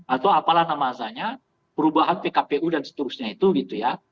atau apalah namanya perubahan pkpu dan seterusnya itu gitu ya